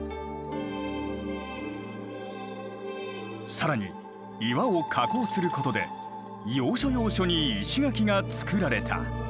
更に岩を加工することで要所要所に石垣が造られた。